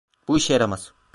Bu işe yaramaz.